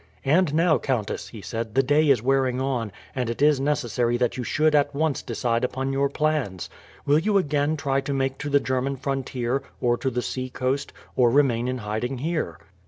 "And now, countess," he said, "the day is wearing on, and it is necessary that you should at once decide upon your plans. Will you again try to make to the German frontier or to the sea coast, or remain in hiding here?"